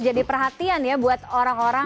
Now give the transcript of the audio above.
jadi perhatian ya buat orang orang